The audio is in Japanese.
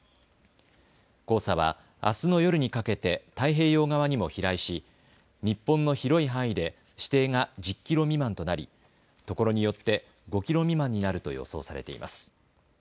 黄砂はあすの夜にかけて太平洋側にも飛来し日本の広い範囲で視程が１０キロ未満となりところによって５キロ未満になると予想されています。